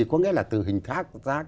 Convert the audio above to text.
có nghĩa là từ hình khác